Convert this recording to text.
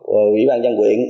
ủy ban nhân quyện